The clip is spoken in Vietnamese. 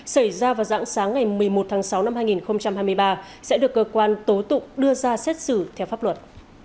xảy ra vào giãng sáng ngày một mươi một tháng sáu năm hai nghìn hai mươi ba sẽ được cơ quan tố tụng đưa ra xét xử theo pháp luật